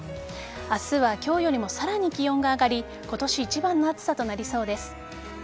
明日は今日よりもさらに気温が上がり今年一番の暑さとなりそうです。